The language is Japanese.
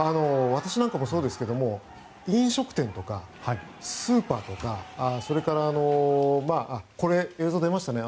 私なんかもそうですけど飲食店とかスーパーとか、それからこれ、映像が出ましたね。